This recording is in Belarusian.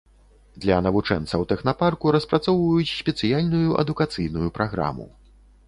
Для навучэнцаў тэхнапарку распрацоўваюць спецыяльную адукацыйную праграму.